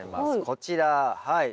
こちらはい。